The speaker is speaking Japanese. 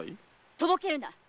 とぼけるなっ！